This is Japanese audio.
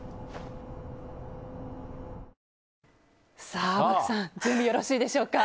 漠さん準備よろしいでしょうか？